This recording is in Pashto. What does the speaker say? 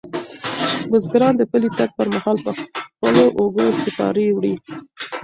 بزګران د پلي تګ پر مهال په خپلو اوږو سپارې وړي.